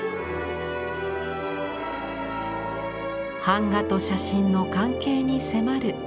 版画と写真の関係に迫る展覧会です。